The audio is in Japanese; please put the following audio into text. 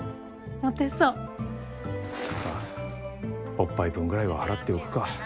モまあおっぱい分ぐらいは払っておくか。